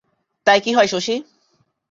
তাই কী হয় শশী?